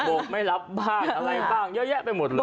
กไม่รับบ้างอะไรบ้างเยอะแยะไปหมดเลย